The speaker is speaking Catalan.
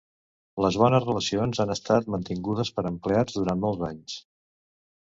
Les bones relacions han estat mantingudes pels empleats durant molts anys.